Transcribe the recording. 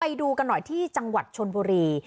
ไปดูกันหน่อยที่จังหวัดชนบุรี